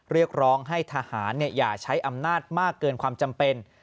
เรียกร้องให้ทหารอย่าใช้อำนาจมากเกินความจำเป็น